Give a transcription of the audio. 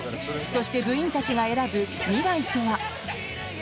そして部員たちが選ぶ未来とは。